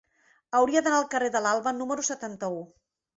Hauria d'anar al carrer de l'Alba número setanta-u.